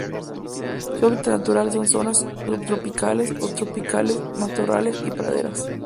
Su hábitat natural son: zonas subtropicales o tropicales matorrales y praderas.